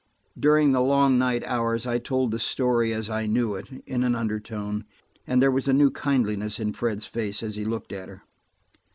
During the long night hours I told the story, as I knew it, in an undertone, and there was a new kindliness in Fred's face as he looked at her.